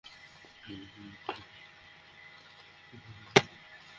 কিন্তু তাই বলে খালিদকে যে ভাষায় তুমি হুমকি দিচ্ছ তা সহ্য করতে পারবোনা।